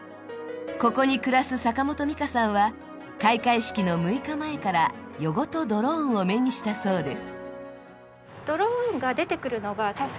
ここに暮らす坂元美香さんは開会式の６日前から夜ごとドローンを目にしたそうです。